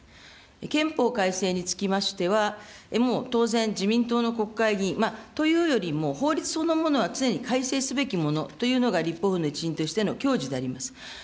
憲法改正につきましては、もう当然、自民党の国会議員、というよりも、法律そのものは常に改正すべきものというのが、立法府の一員としての矜持であります。